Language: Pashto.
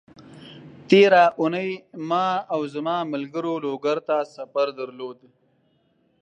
تېره اونۍ ما او زما ملګرو لوګر ته سفر درلود،